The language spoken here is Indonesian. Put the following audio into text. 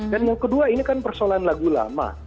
dan yang kedua ini kan persoalan lagu lama